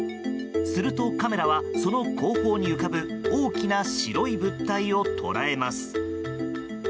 すると、カメラはその後方に浮かぶ大きな白い物体を捉えます。